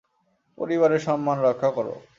পরিবারের সম্মান রক্ষা কর।